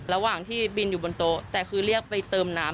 ระหว่างที่บินอยู่บนโต๊ะแต่คือเรียกไปเติมน้ำ